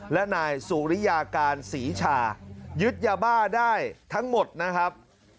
และนายสุริยาการศรีชายึดยาบ้าได้ทั้งหมดนะครับ